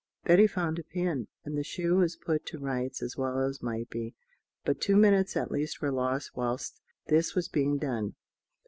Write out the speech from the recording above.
Betty found a pin, and the shoe was put to rights as well as might be; but two minutes at least were lost whilst this was being done.